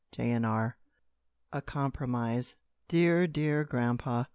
CHAPTER IX. A COMPROMISE. "Dear, dear grandpa!